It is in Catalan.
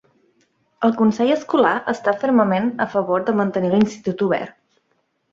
El consell escolar està fermament a favor de mantenir l'institut obert.